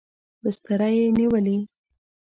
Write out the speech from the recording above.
بستره یې نیولې.